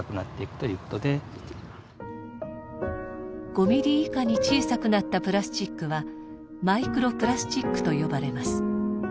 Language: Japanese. ５ミリ以下に小さくなったプラスチックはマイクロプラスチックと呼ばれます。